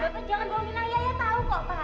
bapak jangan bohongin ayah ayah tau kok pak